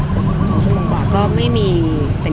ภาษาสนิทยาลัยสุดท้าย